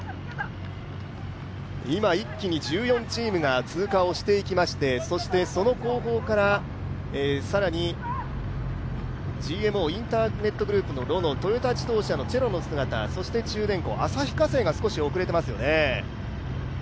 今、一気に１４チームが通過をしていきまして、その後方から更にＧＭＯインターネットグループのロノ、トヨタ自動車のチェロノの姿、旭化成が少し遅れていますよね。